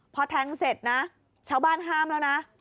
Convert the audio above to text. พอแทงเสร็จนะชาวบ้านห้ามแล้วนะ